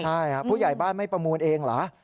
ใช่ค่ะพุ่ยายบ้านไม่ประมูลเองเหรอ